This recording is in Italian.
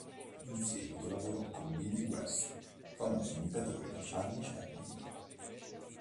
In seguito lavorò per Billy West, famoso imitatore di Charlie Chaplin.